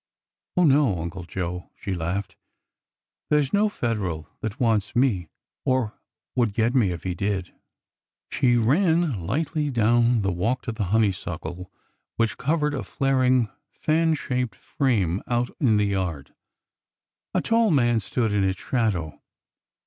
" Oh, no. Uncle Joe," she laughed. " There 's no Fed eral that wants me ! or would get me if he did !" She ran lightly down the walk to the honeysuckle which OH, SISTER PHCEBE! 195 covered a flaring fan shaped frame out in the yard. A tall man stood in its shadow.